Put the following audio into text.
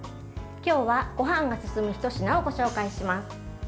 今日はごはんが進むひと品をご紹介します。